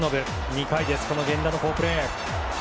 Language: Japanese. ２回、源田の好プレー。